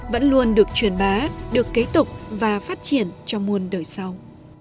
vẫn luôn được truyền bá được kế tục và phát triển cho muôn đời sau